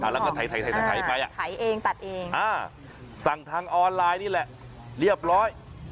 แล้วก็ไถไปอ่ะอ่าสั่งทางออนไลน์นี่แหละเรียบร้อย